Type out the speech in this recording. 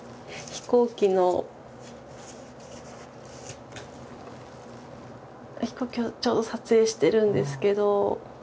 飛行機をちょうど撮影してるんですけど。